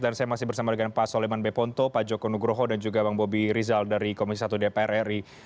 dan saya masih bersama dengan pak soleman beponto pak joko nugroho dan juga bang bobby rizal dari komisi satu dpr ri